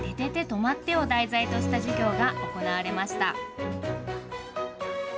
とまって！」を題材とした授業が行われました。